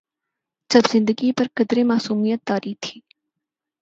جب زندگی پہ قدرے معصومیت طاری تھی۔